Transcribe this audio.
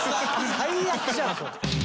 最悪じゃんそれ。